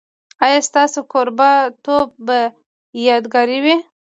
ایا ستاسو کوربه توب به یادګار وي؟